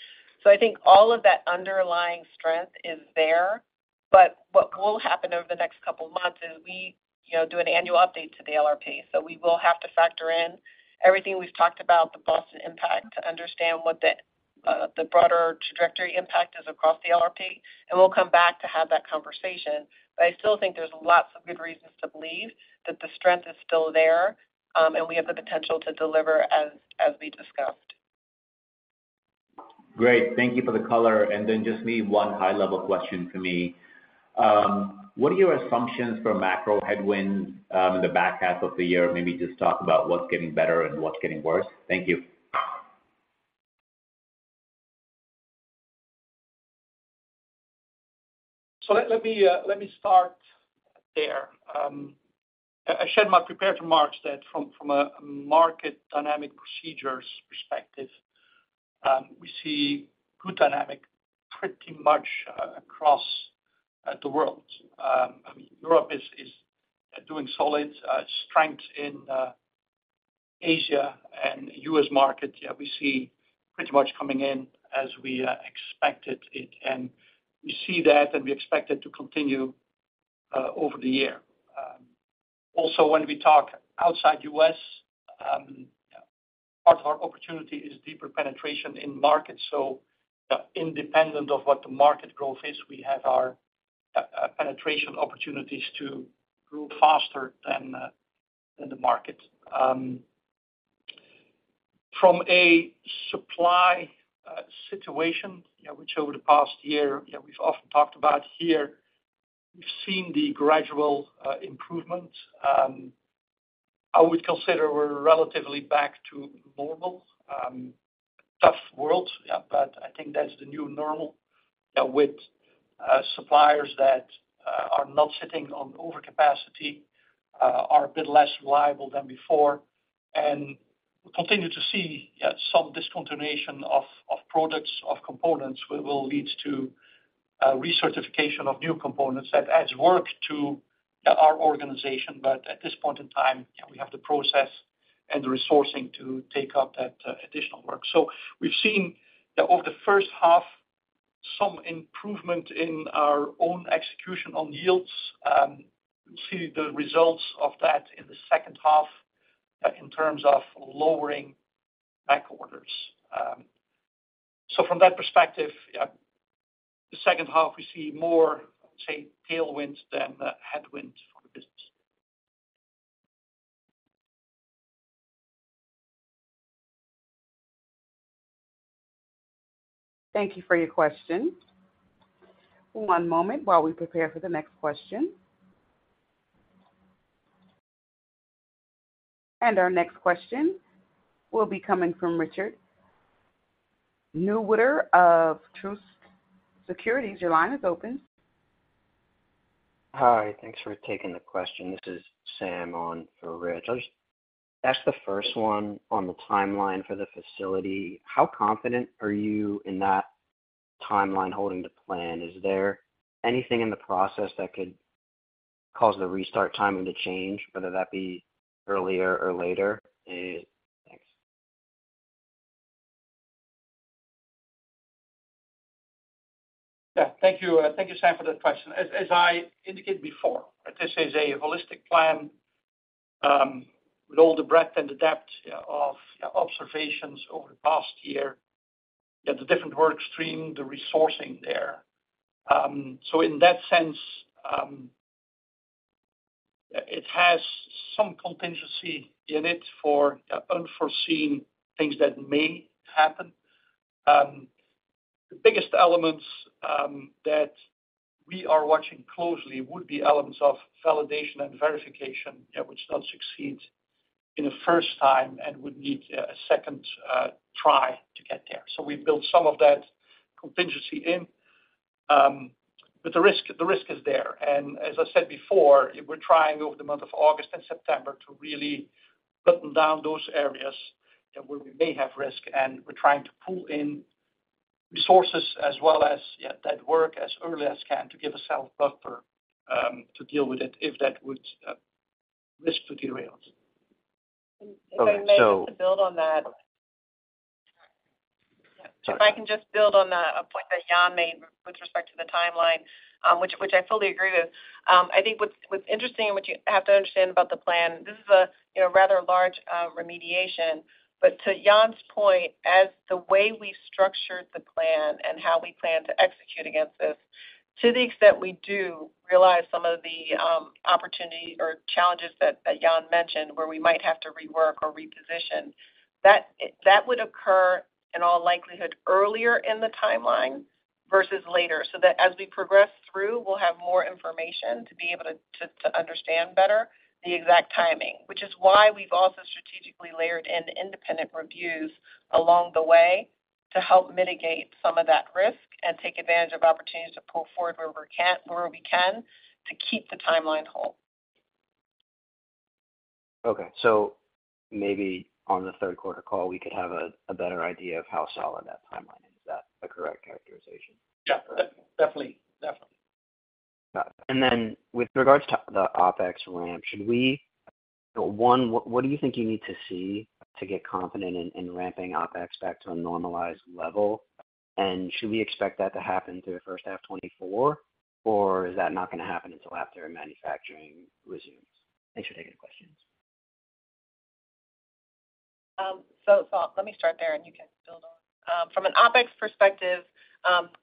I think all of that underlying strength is there, but what will happen over the next couple of months is we, you know, do an annual update to the LRP. We will have to factor in everything we've talked about, the Boston impact, to understand what the broader trajectory impact is across the LRP, and we'll come back to have that conversation. I still think there's lots of good reasons to believe that the strength is still there, and we have the potential to deliver as, as we discussed.
Great. Thank you for the color. Just me, one high-level question for me. What are your assumptions for macro headwinds in the back half of the year? Maybe just talk about what's getting better and what's getting worse. Thank you.
Let me start there. As Sharma prepared to mark that from a market dynamic procedures perspective, we see good dynamic pretty much across the world. I mean, Europe is doing solid, strength in Asia and US market. We see pretty much coming in as we expected it, we see that, and we expect it to continue over the year. Also, when we talk outside US, part of our opportunity is deeper penetration in markets. Independent of what the market growth is, we have our penetration opportunities to grow faster than the market. From a supply situation, you know, which over the past year, you know, we've often talked about here, we've seen the gradual improvement. I would consider we're relatively back to normal. Tough world, yeah, but I think that's the new normal, with suppliers that are not sitting on overcapacity, are a bit less reliable than before. We continue to see some discontinuation of products, of components, which will lead to recertification of new components. That adds work to our organization, but at this point in time, yeah, we have the process and the resourcing to take up that additional work. We've seen that over the first half, some improvement in our own execution on yields. We'll see the results of that in the second half in terms of lowering back orders. From that perspective, yeah, the second half, we see more, say, tailwind than headwinds for the business.
Thank you for your question. One moment while we prepare for the next question. Our next question will be coming from Richard Newitter of Truist Securities. Your line is open.
Hi. Thanks for taking the question. This is Sam on for Rich. I'll just ask the first one on the timeline for the facility. How confident are you in that timeline holding the plan? Is there anything in the process that could cause the restart timing to change, whether that be earlier or later? Thanks.
Yeah. Thank you. Thank you, Sam, for that question. As I indicated before, this is a holistic plan, with all the breadth and the depth of observations over the past year, the different work stream, the resourcing there. In that sense, it has some contingency in it for unforeseen things that may happen. The biggest elements that we are watching closely would be elements of validation and verification that would still succeed in the first time and would need a second try to get there. We've built some of that contingency in, but the risk is there. As I said before, we're trying over the month of August and September to really button down those areas that where we may have risk, and we're trying to pull in resources as well as, yeah, that work as early as can to give ourselves buffer, to deal with it if that would risk materials.
Okay.
If I may just to build on that. If I can just build on the point that Jan made with respect to the timeline, which I fully agree with. I think what's interesting and what you have to understand about the plan, this is a, you know, rather large remediation. To Jan's point, as the way we structured the plan and how we plan to execute against this, to the extent we do realize some of the opportunity or challenges that Jan mentioned, where we might have to rework or reposition, that would occur in all likelihood earlier in the timeline versus later. That as we progress through, we'll have more information to be able to understand better the exact timing, which is why we've also strategically layered in independent reviews along the way to help mitigate some of that risk and take advantage of opportunities to pull forward where we can't, where we can, to keep the timeline whole.
Maybe on the third quarter call, we could have a better idea of how solid that timeline is. Is that a correct characterization?
Yeah, definitely. Definitely.
Got it. Then with regards to the OpEx ramp, should we One, what do you think you need to see to get confident in ramping OpEx back to a normalized level? Should we expect that to happen through the first half 2024, or is that not going to happen until after manufacturing resumes? Thanks for taking the questions.
Let me start there, and you can build on. From an OpEx perspective,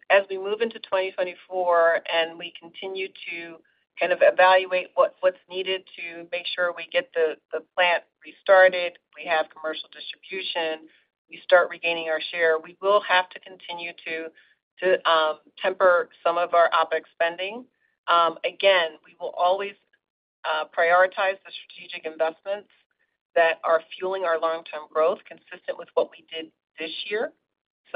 as we move into 2024 and we continue to kind of evaluate what's needed to make sure we get the plant restarted, we have commercial distribution, we start regaining our share, we will have to continue to temper some of our OpEx spending. Again, we will always prioritize the strategic investments that are fueling our long-term growth, consistent with what we did this year.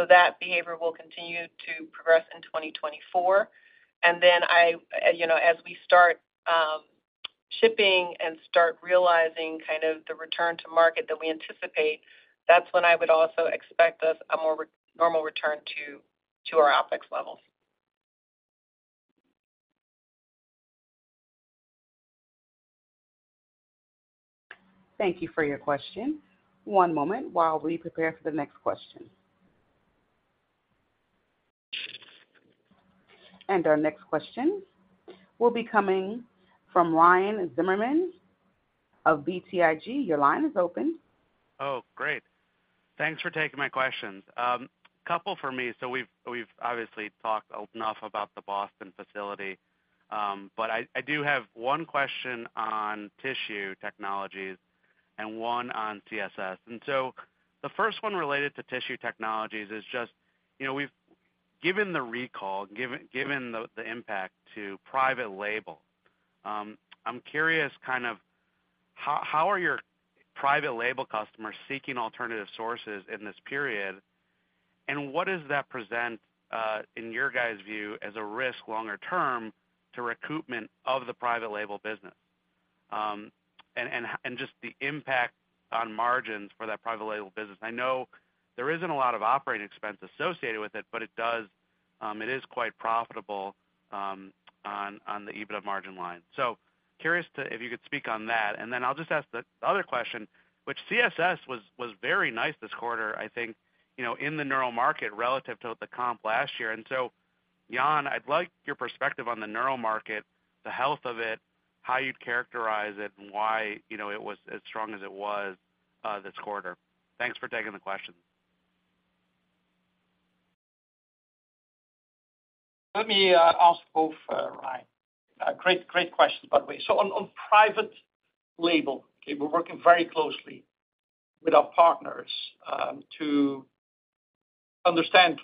That behavior will continue to progress in 2024. I, you know, as we start shipping and start realizing kind of the return to market that we anticipate, that's when I would also expect us a more normal return to our OpEx levels.
Thank you for your question. One moment while we prepare for the next question. Our next question will be coming from Ryan Zimmerman of BTIG. Your line is open.
Oh, great. Thanks for taking my questions. A couple for me. We've obviously talked enough about the Boston facility, but I, I do have one question on tissue technologies and one on CSS. The first one related to tissue technologies is just, you know, Given the recall, given the impact to private label, I'm curious, kind of how, how are your private label customers seeking alternative sources in this period? What does that present, in your guys' view, as a risk longer term to recoupment of the private label business, and just the impact on margins for that private label business? I know there isn't a lot of operating expense associated with it, but it does, it is quite profitable, on the EBITDA margin line. curious if you could speak on that. I'll just ask the other question, which CSS was very nice this quarter, I think, you know, in the neural market relative to the comp last year. Jan, I'd like your perspective on the neural market, the health of it, how you'd characterize it, and why, you know, it was as strong as it was this quarter. Thanks for taking the question.
Let me ask both Ryan. Great, great questions, by the way. On private label, okay, we're working very closely with our partners to understand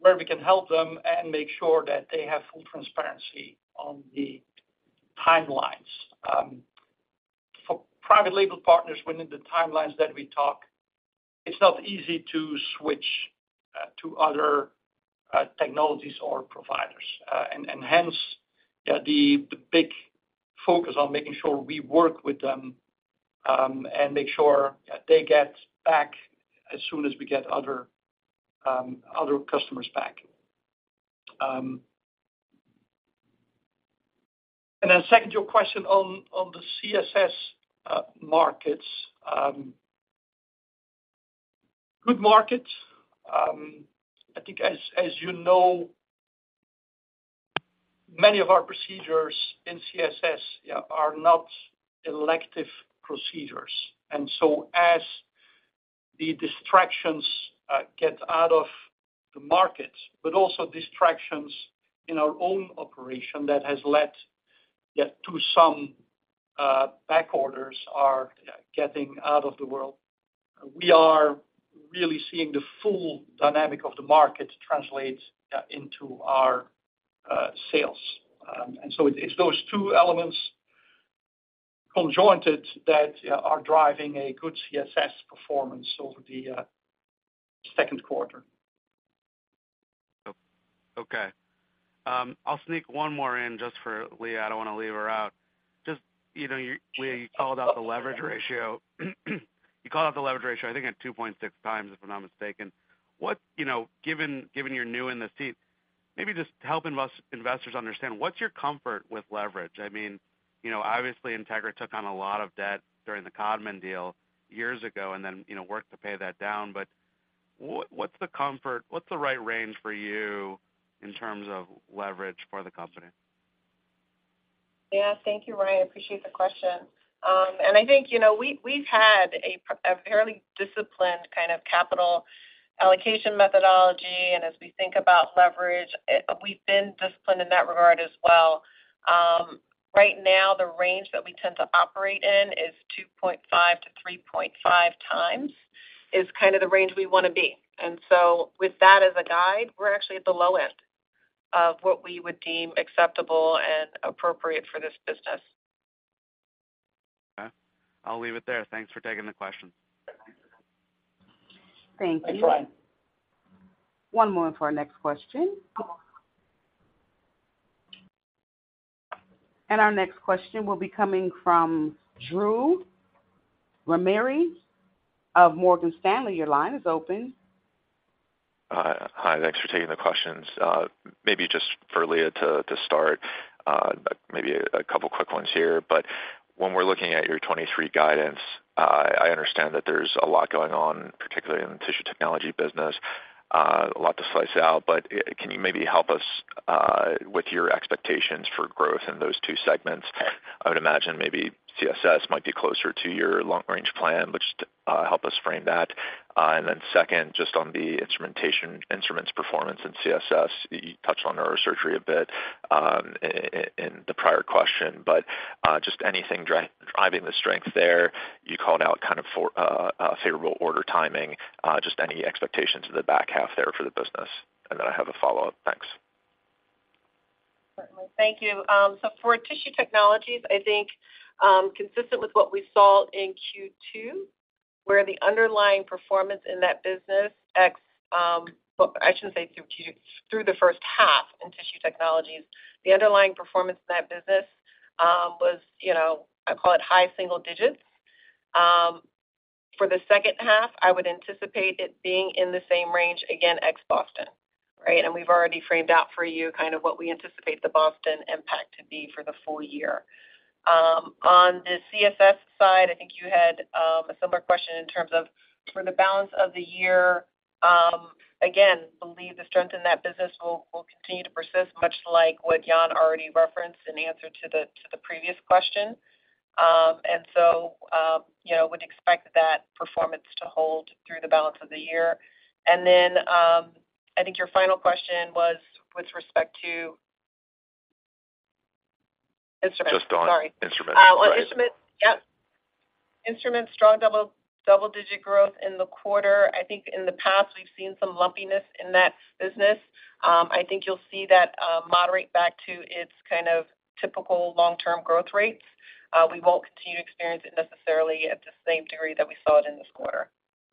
where we can help them and make sure that they have full transparency on the timelines. For private label partners, within the timelines that we talk, it's not easy to switch to other technologies or providers. Hence, yeah, the big focus on making sure we work with them and make sure they get back as soon as we get other customers back. Then second, your question on the CSS markets. Good markets. I think as you know, many of our procedures in CSS, yeah, are not elective procedures. As the distractions get out of the market, but also distractions in our own operation, that has led, yeah, to some back orders are getting out of the world. We are really seeing the full dynamic of the market translate into our sales. It's those two elements conjoined that are driving a good CSS performance over the second quarter.
Okay. I'll sneak one more in just for Lea. I don't want to leave her out. Just, you know, Lea, you called out the leverage ratio. I think, at 2.6 times, if I'm not mistaken. What, you know, given you're new in the seat, maybe just helping us, investors understand, what's your comfort with leverage? I mean, you know, obviously, Integra took on a lot of debt during the Codman deal years ago and then, you know, worked to pay that down. What's the comfort, what's the right range for you in terms of leverage for the company?
Yeah, thank you, Ryan. I appreciate the question. I think, you know, we've had a fairly disciplined kind of capital allocation methodology, and as we think about leverage, we've been disciplined in that regard as well. Right now, the range that we tend to operate in is 2.5-3.5 times, is kind of the range we want to be. With that as a guide, we're actually at the low end of what we would deem acceptable and appropriate for this business.
Okay. I'll leave it there. Thanks for taking the question.
Thank you.
Thanks, Ryan.
One moment for our next question. Our next question will be coming from Drew Ranieri of Morgan Stanley. Your line is open.
Hi, thanks for taking the questions. Maybe just for Lea Knight to start, maybe a couple quick ones here. When we're looking at your 2023 guidance, I understand that there's a lot going on, particularly in the tissue technology business, a lot to slice out. Can you maybe help us with your expectations for growth in those two segments? I would imagine maybe CSS might be closer to your long-range plan, which help us frame that. Then second, just on the instrumentation, instruments, performance and CSS. You touched on neurosurgery a bit, in the prior question, but just anything driving the strength there, you called out kind of for favorable order timing, just any expectations in the back half there for the business. I have a follow-up. Thanks.
Thank you. For tissue technologies, I think, consistent with what we saw in Q2, where the underlying performance in that business through the first half in tissue technologies, the underlying performance in that business was, you know, I call it high single digits. For the second half, I would anticipate it being in the same range, again, ex Boston, right? We've already framed out for you kind of what we anticipate the Boston impact to be for the full year. On the CSS side, I think you had a similar question in terms of for the balance of the year. Again, believe the strength in that business will continue to persist, much like what Jan already referenced in answer to the previous question. You know, would expect that performance to hold through the balance of the year. I think your final question was with respect to instruments.
Just on instruments.
On instruments. Yep. Instruments, strong double-digit growth in the quarter. I think in the past, we've seen some lumpiness in that business. I think you'll see that moderate back to its kind of typical long-term growth rates. We won't continue to experience it necessarily at the same degree that we saw it in this quarter.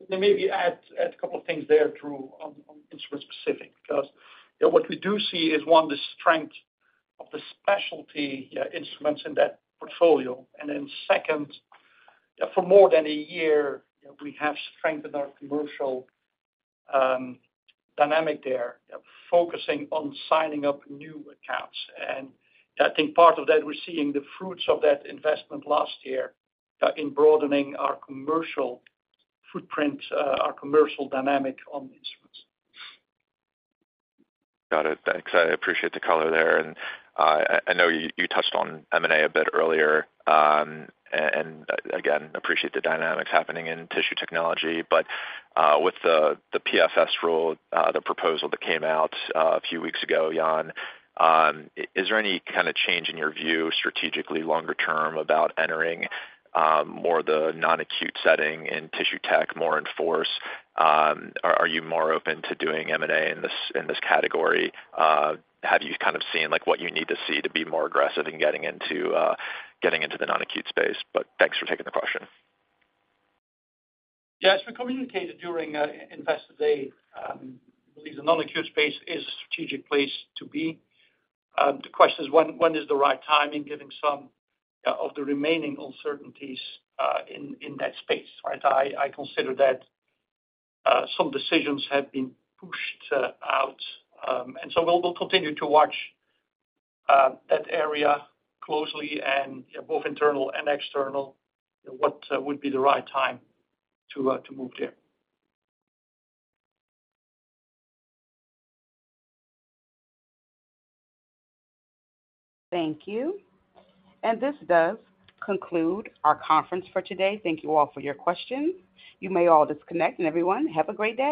Let me maybe add a couple of things there, Drew, on instrument specific, because, you know, what we do see is, one, the strength of the specialty instruments in that portfolio. Then second, for more than a year, we have strengthened our commercial dynamic there, focusing on signing up new accounts. I think part of that, we're seeing the fruits of that investment last year, in broadening our commercial footprint, our commercial dynamic on the instruments.
Got it. Thanks. I appreciate the color there. I know you touched on M&A a bit earlier, and, again, appreciate the dynamics happening in tissue technology. With the PFS rule, the proposal that came out a few weeks ago, Jan, is there any kind of change in your view, strategically, longer term, about entering more of the non-acute setting in tissue tech, more in force? Are you more open to doing M&A in this category? Have you kind of seen, like, what you need to see to be more aggressive in getting into the non-acute space? Thanks for taking the question.
Yes, we communicated during Investor Day, believe the non-acute space is a strategic place to be. The question is when is the right timing, given some of the remaining uncertainties in that space, right? I consider that some decisions have been pushed out. We'll continue to watch that area closely and, yeah, both internal and external, what would be the right time to move there.
Thank you. This does conclude our conference for today. Thank you all for your questions. You may all disconnect, and everyone, have a great day.